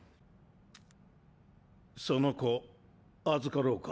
その子預かろうか？